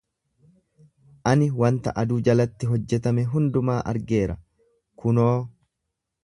Ani wanta aduu jalatti hojjetame hundumaa argeera, kunoo,